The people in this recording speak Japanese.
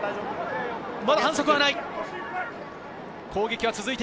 まだ反則はない。